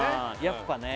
やっぱね